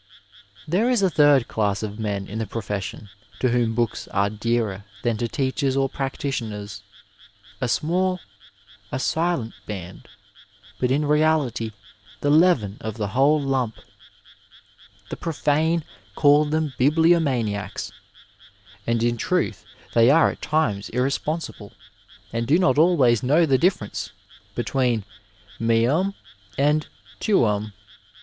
There is a third dass of men in the profession to whom books are dearer than to teachers or practitioners — a small, a silent band, but in reality the leaven of the whole lump. The profane call them bibliomaniacs, and in truth they are at times irresponsible and do not always know the 222 Digitized by Google BOOKS AND MEN difierence between meum and tuum.